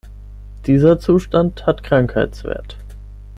Dieser Zustand hat Krankheitswert.